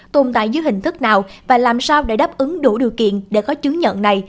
tồn tại dưới hình thức nào và làm sao để đáp ứng đủ điều kiện để có chứng nhận này